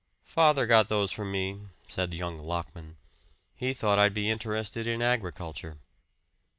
"Father got those for me," said young Lockman. "He thought I'd be interested in agriculture."